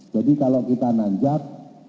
jadi kalau kita nanjak